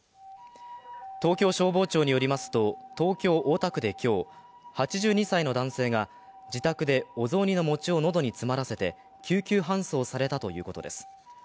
東京消防庁によりますと東京・大田区で今日、８２歳の男性が自宅でお雑煮の餅を喉に詰まらせて救急搬送されたということです。